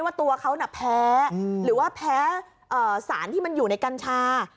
ว่าตัวเขาน่ะแพ้หรือว่าแพ้สารที่มันอยู่ในกัญชา